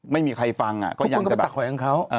ไม่มีใครฟังอ่ะก็ยังแต่แบบ